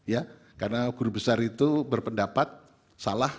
ya karena guru besar itu berpendapat salah